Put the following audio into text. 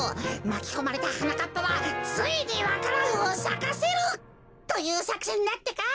まきこまれたはなかっぱはついにわか蘭をさかせる！」というさくせんだってか。